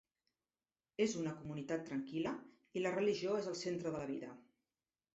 És una comunitat tranquil·la i la religió és el centre de la vida.